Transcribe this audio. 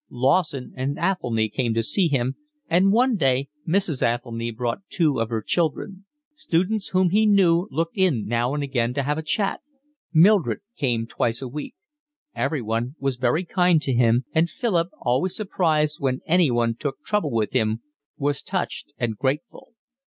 Lawson and Athelny came to see him, and one day Mrs. Athelny brought two of her children; students whom he knew looked in now and again to have a chat; Mildred came twice a week. Everyone was very kind to him, and Philip, always surprised when anyone took trouble with him, was touched and grateful.